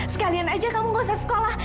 sekalian aja kamu gak usah sekolah